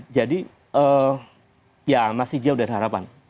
jadi ya masih jauh dari harapan